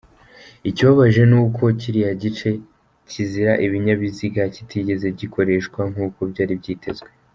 Ikibabaje ni uko kiriya gice kizira ibinyabiziga kitigeze gikoreshwa nk’uko byari byitezwe.